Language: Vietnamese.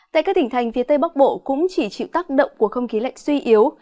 tại các tỉnh thành phía tây bắc bộ cũng chỉ chịu tác động của không khí lạnh suy yếu